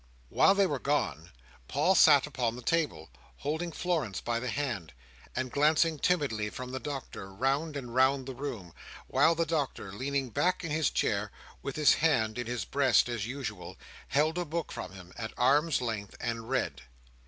While they were gone, Paul sat upon the table, holding Florence by the hand, and glancing timidly from the Doctor round and round the room, while the Doctor, leaning back in his chair, with his hand in his breast as usual, held a book from him at arm's length, and read.